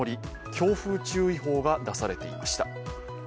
強風注意報が出されていました。